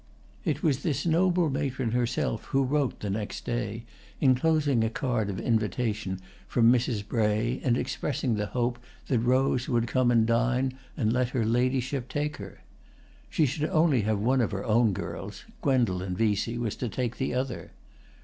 It was this noble matron herself who wrote, the next day, inclosing a card of invitation from Mrs. Bray and expressing the hope that Rose would come and dine and let her ladyship take her. She should have only one of her own girls; Gwendolen Vesey was to take the other.